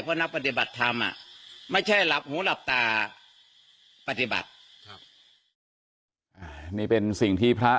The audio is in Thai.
เพราะนักปฏิบัติทำไม่ใช่หูหลับตาปฏิบัติ